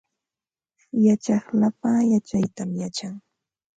Yachaq lapa yachaytam yachan